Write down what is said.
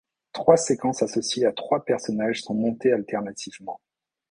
Trois séquences associées à trois personnages sont montées alternativement.